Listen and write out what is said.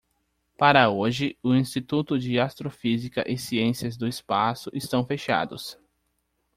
Para hoje, o Instituto de Astrofísica e Ciências do Espaço, estão fechados.